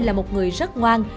là một người rất ngoan